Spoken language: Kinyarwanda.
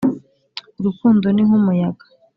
urukundo ni nkumuyaga,